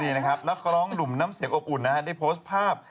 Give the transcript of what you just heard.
นี่นะครับนักร้องหนุ่มน้ำเสียงอบอุ่นนะฮะได้โพสต์ภาพ